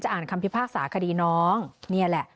อ่านคำพิพากษาคดีน้องนี่แหละ